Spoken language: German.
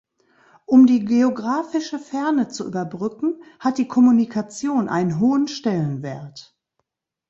Um die geographische Ferne zu überbrücken, hat die Kommunikation einen hohen Stellenwert.